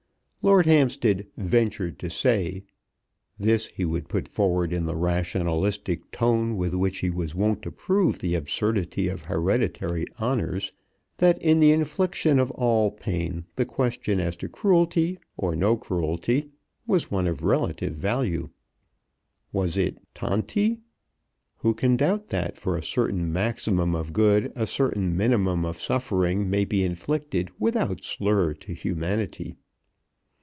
Lord Hampstead "ventured to say," this he would put forward in the rationalistic tone with which he was wont to prove the absurdity of hereditary honours, "that in the infliction of all pain the question as to cruelty or no cruelty was one of relative value." Was it "tanti?" Who can doubt that for a certain maximum of good a certain minimum of suffering may be inflicted without slur to humanity?